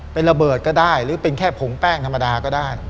เป็นระเบิดก็ได้หรือเป็นแค่ผงแป้งธรรมดาก็ได้